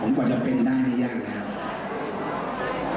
กว่าจะเป็นได้ไม่ยากนะครับ